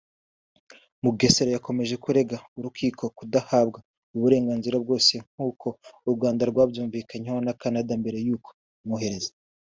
Mugesera yakomeje kurega urukiko kudahabwa uburenganzira bwose nk’uko u Rwanda rwabyumvikanyeho na Canada mbere y’uko imwohereza